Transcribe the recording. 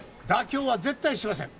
妥協は絶対しません